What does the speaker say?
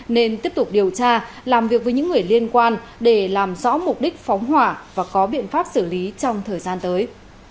nên tiếp tục điều tra làm việc với những người liên quan để làm rõ mục đích phóng hỏa và có biện pháp xử lý trong thời gian tới